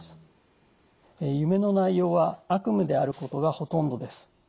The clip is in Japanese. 夢の内容は悪夢であることがほとんどです。